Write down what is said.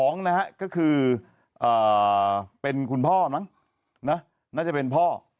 นะฮะก็คือเป็นคุณพ่อมั้งนะน่าจะเป็นพ่อ